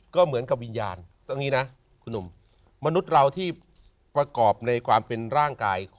ก็เหมือนกับวิญญาณตรงนี้นะคุณหนุ่มมนุษย์เราที่ประกอบในความเป็นร่างกาย